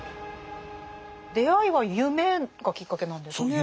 出会いは夢がきっかけなんですね。